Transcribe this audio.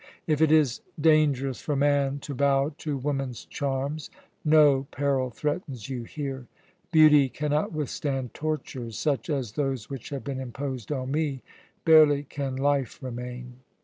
If it is dangerous for man to bow to woman's charms, no peril threatens you here. Beauty cannot withstand tortures such as those which have been imposed on me barely can life remain.